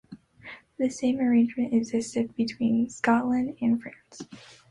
The same arrangement existed between Scotland and France.